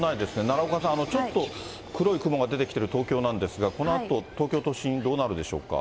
奈良岡さん、ちょっと黒い雲が出てきてる東京なんですが、このあと東京都心、どうなるでしょうか。